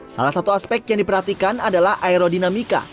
salah satu aspek yang diperhatikan adalah aerodinamika